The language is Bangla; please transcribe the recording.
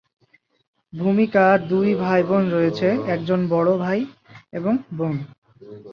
ভূমিকার দুই ভাইবোন রয়েছে, একজন বড় ভাই এবং বোন।